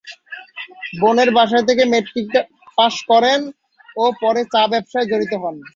বোনের বাসায় থেকে মেট্রিক পাস করেন ও পরে চা ব্যবসায়ে জড়িত হন।